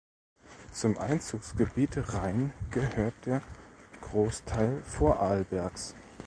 Zum Einzugsgebiet Rhein gehört der Großteil Vorarlbergs.